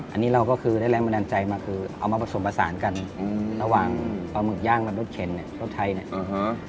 อันนี้เราก็คือได้แรงบันดาลใจมาคือเอามาผสมผสานกันอืมระหว่างปลาหมึกย่างกับรสเข็นเนี่ยรสไทยเนี่ย